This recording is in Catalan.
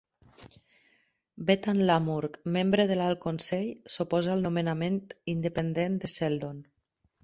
Betan Lamurk, membre de l'Alt Consell, s'oposa al nomenament independent de Seldon.